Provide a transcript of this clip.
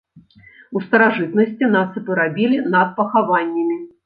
У старажытнасці насыпы рабілі над пахаваннямі.